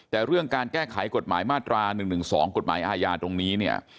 แต่เรื่องการแก้ไขกฎหมายมาตรา๑๑๒กฎหมายอาญาตรงนี้เนี่ย